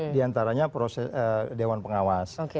di antaranya proses dewan pengawas